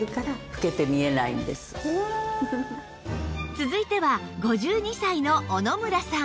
続いては５２歳の小野村さん